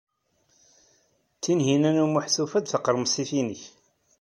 Tinhinan u Muḥ tufa-d taqremsit-nnek.